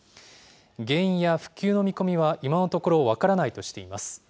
原因や復旧の見込みは今のところ分からないとしています。